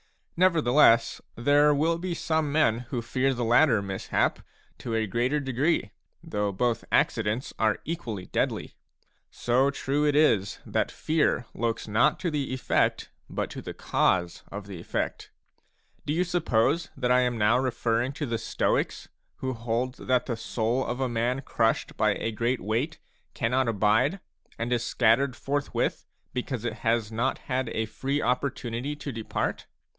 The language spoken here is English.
Nevertheless, there will be some men who fear the latter mishap to a greater degree, though both accidents are equally deadly ; so true it is that fear looks not to the effect, but to the cause of the effect. Do you suppose that I am now referring to the Stoics, a who hold that the soul of a man crushed by a great weight cannot abide, and is scattered forthwith, because it has not had a free opportunity to depart